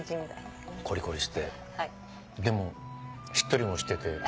コリコリしてでもしっとりもしてて。